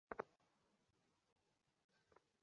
সে গর্তে দুপুরে আটকে যায় একটি পিকআপ।